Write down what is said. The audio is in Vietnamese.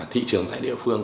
thị trường tại địa phương